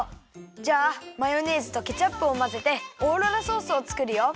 じゃあマヨネーズとケチャップをまぜてオーロラソースをつくるよ。